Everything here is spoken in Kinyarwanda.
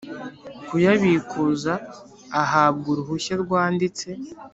Kuyabikuza ahabwa uruhushya rwanditse